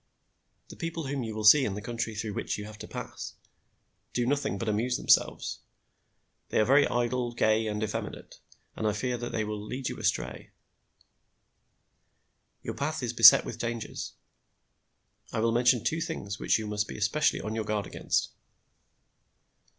The people whom you will see in the country through which you have to pass, do nothing but amuse themselves. They are very idle, gay and effeminate, and I fear that they will lead you astray. Your path is beset with dangers. I will mention two things which you must be especially on your guard against.